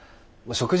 食事。